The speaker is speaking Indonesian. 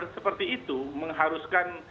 seperti itu mengharuskan